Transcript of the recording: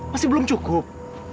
masih belum cukup